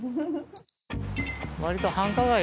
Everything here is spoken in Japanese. わりと繁華街